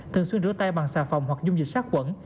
thường xuyên rửa tay bằng xà phòng hoặc dung dịch sát khuẩn